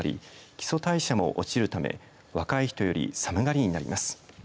基礎代謝も落ちるため若い人より寒がりになります。